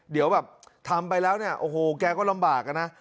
เดี๋ยวแบบทำไปแล้วเนี่ยโอ้โหแกก็ลำบากอะนะ